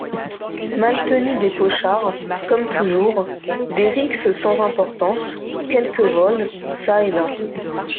Maltenu Des pochards, comme toujours… des rixes sans importance… quelques vols… çà et là…